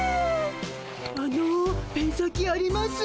あのペン先あります？